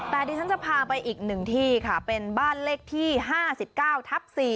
แต่ดิฉันจะพาไปอีกหนึ่งที่ค่ะเป็นบ้านเลขที่๕๙ทับ๔